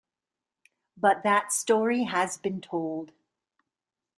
But that story has been told.